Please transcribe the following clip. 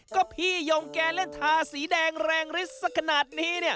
ก็พี่ย่อมแกล้งทาสีแดงแรงริสต์สะขนาดนี้